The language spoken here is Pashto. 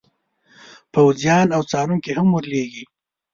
پوځیان او څارونکي هم ور لیږي.